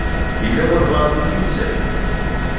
Yella walebɛaḍ i d-yusan?